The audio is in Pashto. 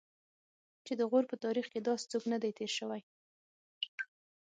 چې د غور په تاریخ کې داسې څوک نه دی تېر شوی.